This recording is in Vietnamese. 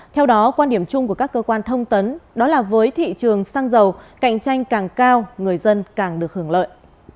theo đó quan điểm chung của các cơ quan thông tấn đó là với thị trường xăng dầu cạnh tranh càng cao người dân càng được hưởng lợi